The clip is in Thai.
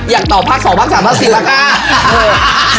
อยากตอบภาพสองภาพสามภาพสี่ละค่ะ